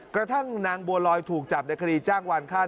กระทั่งนางบัวลอยถูกจับในคดีจ้างวานค่า